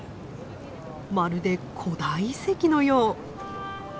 まるで古代遺跡のよう。